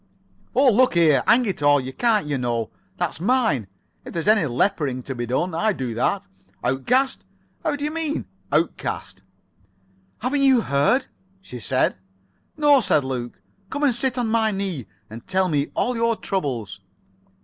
"Oh, look here, hang it all, you can't, you know. That's mine. If there's any lepering to be done, I do that. Outcast? How do you mean outcast?" "Haven't you heard?" she said. "No," said Luke. "Come and sit on my knee, and tell me all your troubles."